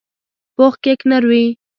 پوخ کیک نر وي